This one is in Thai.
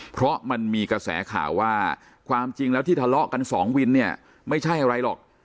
เพราะมันมีกระแสข่าวว่าความจริงแล้วที่ทะเลาะกันสองวินเนี่ยไม่ใช่อะไรหรอก